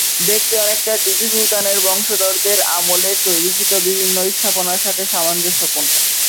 দেখতে অনেকটা টিপু সুলতানের বংশধরদের আমলে তৈরীকৃত বিভিন্ন স্থাপনার সাথে সামঞ্জস্যপূর্ণ।